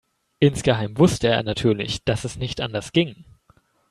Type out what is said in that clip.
Insgeheim wusste er natürlich, dass es nicht anders ging.